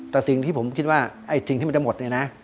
แต่สิ่งที่ผมคิดว่าที่จะหมด